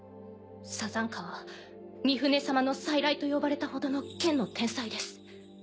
サザンカはミフネ様の再来と呼ばれたほどの剣の天才です。